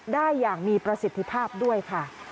ได้อย่างมีประสิทธิภาพด้วยค่ะ